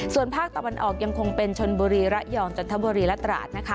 ส่วนภาคตะวันออกยังคงเป็นชนบุรีระยองจันทบุรีและตราดนะคะ